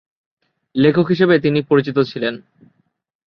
লেখক হিসেবে তিনি পরিচিত ছিলেন।